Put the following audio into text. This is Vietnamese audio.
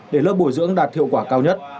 để lớp bồi dưỡng đạt hiệu quả cao nhất